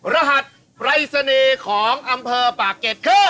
รหัสปรายศนีย์ของอำเภอปากเกร็ดคือ